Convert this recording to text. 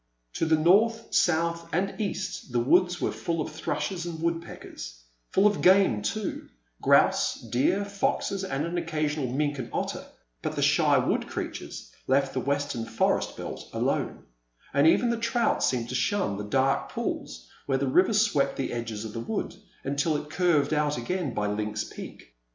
To the north, south, and east the woods were fall of thrushes and wood peckers ; full of game, too — grouse, deer, foxes, and an occasional mink and otter, but the shy wood creatures left the western forest belt alone, and even the trout seemed to shun the dark pools where the river swept the edges of the wood until it curved out again by Lynx Peak.